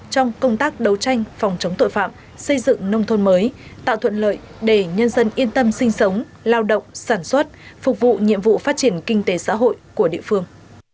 trong công tác đấu tranh phòng chống tội phạm xây dựng nông thôn mới tạo thuận lợi để nhân dân yên tâm sinh sống lao động sản xuất phục vụ nhiệm vụ phát triển kinh tế xã hội của địa phương